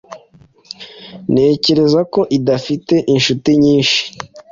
Ntekereza ko idafite inshuti nyinshi.